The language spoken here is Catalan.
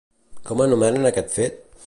Com anomenen aquest fet?